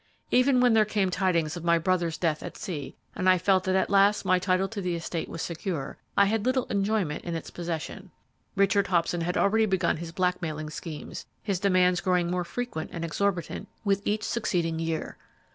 Even when there came tidings of my brother's death at sea, and I felt that at last my title to the estate was secure, I had little enjoyment in its possession. Richard Hobson had already begun his black mailing schemes, his demands growing more frequent and exorbitant with each succeeding year.